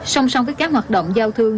song song với các hoạt động giao thương